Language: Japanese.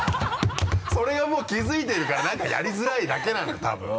それをもう気づいてるから何かやりづらいだけなんだよ多分。